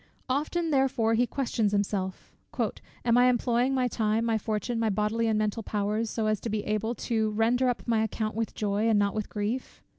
Often therefore he questions himself, "Am I employing my time, my fortune, my bodily and mental powers, so as to be able to 'render up my account with joy, and not with grief?'